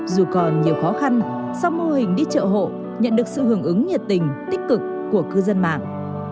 dù còn nhiều khó khăn song mô hình đi chợ hộ nhận được sự hưởng ứng nhiệt tình tích cực của cư dân mạng